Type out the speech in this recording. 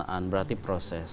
laksanaan berarti proses